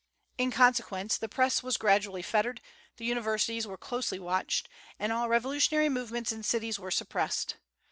In consequence, the Press was gradually fettered, the universities were closely watched, and all revolutionary movements in cities were suppressed.